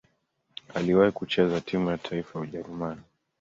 Aliwahi kucheza timu ya taifa ya Ujerumani.